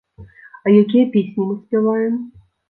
А якія песні мы спяваем?